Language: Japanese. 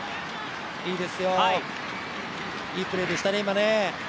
いいですよ、いいプレーでしたね、今。